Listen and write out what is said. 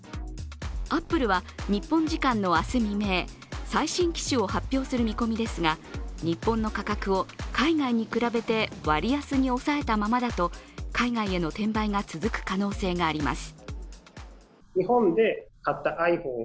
アップルは日本時間の明日未明、最新機種を発表する見込みですが日本の価格を海外に比べて割安に抑えたままだと海外への転売が続く可能性があります。